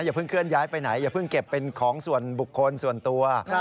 อย่าเพิ่งเคลื่อนย้ายไปไหนอย่าเพิ่งเก็บเป็นของส่วนบุคคลส่วนตัว